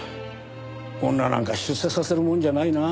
女なんか出世させるもんじゃないな。